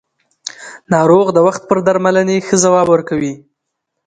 ناروغ د وخت پر درملنې ښه ځواب ورکوي